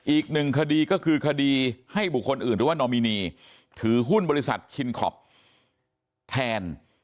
อีกหนึ่งคดีก็คือคดีให้บุคคลอื่นหรือว่านอมินีถือหุ้นบริษัทชินคอปแทน